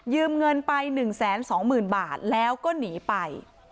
ยืมเงินไปหนึ่งแสนสองหมื่นบาทแล้วก็หนีไป